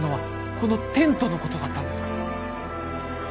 このテントのことだったんですか？